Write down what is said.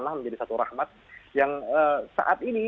bahwa trademark asolation